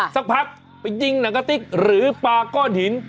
สักพักไปยิงหนังกะติ๊กหรือปลาก้อนหิน